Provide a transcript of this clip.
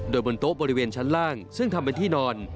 โดยบนโต๊ะบริเวณชั้นล่างซึ่งทำเป็นที่นอน